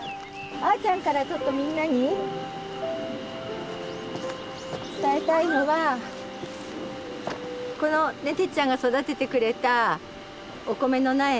あーちゃんからちょっとみんなに伝えたいのはこのてっちゃんが育ててくれたお米の苗ね。